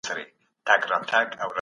مغولو روحانیونو ته ډېر ارزښت ورکړ.